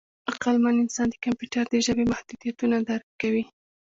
عقلمن انسان د کمپیوټر د ژبې محدودیتونه درک کوي.